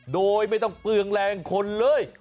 โดยไม่ต้องเปลืองแรงคนเลย